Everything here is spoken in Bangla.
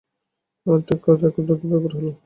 আর ঠিক তখন এক অদ্ভুত ব্যাপার হলো।